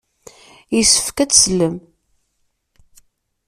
Yessefk ad teslem.